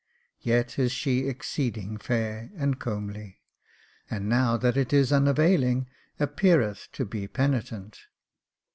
Yet is she exceeding fair and comely, and now that it is unavailing, appeareth to be penitent."